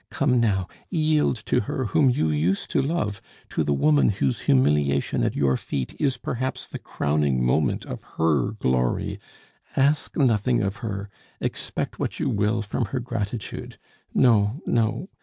Come now, yield to her whom you used to love, to the woman whose humiliation at your feet is perhaps the crowning moment of her glory; ask nothing of her, expect what you will from her gratitude! No, no.